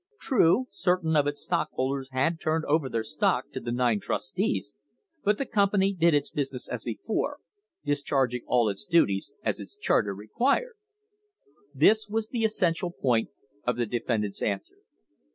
True, certain of its stockholders had turned over their stock to the nine trustees, but the company did its business as before, dis charging all its duties as its charter required. This was the essential point of the defendant's answer.